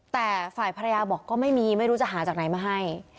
แต่ฝ่ายภรรยาบอกก็ไม่มีไม่รู้จะหาจากไหนมาให้